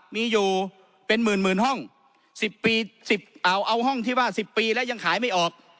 มีอยู่เป็นหมื่นหมื่นห้องสิบปีสิบเอาเอาห้องที่ว่าสิบปีแล้วยังขายไม่ออก